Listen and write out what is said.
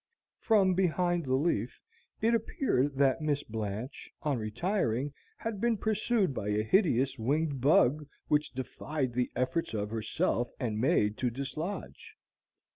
From behind the leaf, it appeared that Miss Blanche, on retiring, had been pursued by a hideous winged bug which defied the efforts of herself and maid to dislodge.